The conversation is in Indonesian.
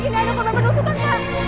bikin ada korban penelusuran pak